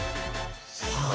さあ。